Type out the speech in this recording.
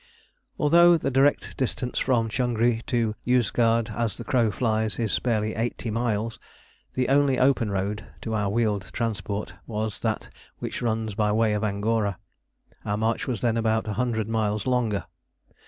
Although the direct distance from Changri to Yozgad, as the crow flies, is barely 80 miles, the only road open to our wheeled transport was that which runs by way of Angora: our march was then about 100 miles longer.